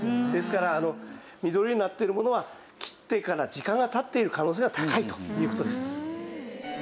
ですから緑になってるものは切ってから時間が経っている可能性が高いという事です。